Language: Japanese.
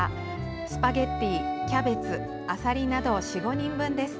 スパゲッティ、キャベツあさりなど４５人分です。